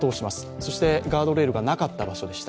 そしてガードレールがなかった場所でした。